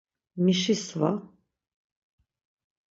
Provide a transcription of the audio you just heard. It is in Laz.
Mişi sva?